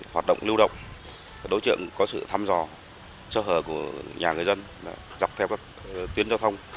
hoạt động lưu động đối tượng có sự thăm dò sơ hở của nhà người dân dọc theo các tuyến giao thông